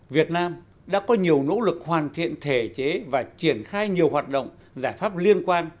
việt nam đã có nhiều nỗ lực hoàn thiện thể chế và triển khai nhiều hoạt động giải pháp liên quan